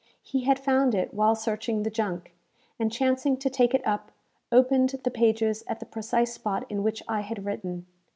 He had found it while searching the junk, and, chancing to take it up, opened the pages at the precise spot in which I had written.